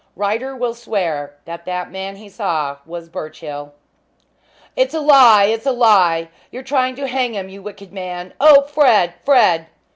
Ryder will swear that the man he saw was Birchill." "It's a lie! It's a lie! You're trying to hang him, you wicked man. Oh, Fred, Fred!"